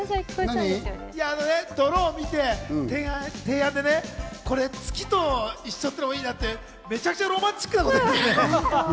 ドローンを見て提案でね、月と一緒っていうのもいいなって、めちゃくちゃロマンチックなこと言ってたよね。